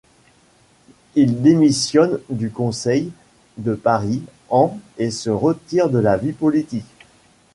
Il démissionne du conseil de Paris en et se retire de la vie politique.